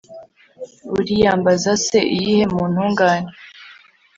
uriyambaza se iyihe mu ntungane